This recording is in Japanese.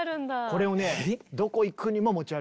これをねどこ行くにも持ち歩いてたと。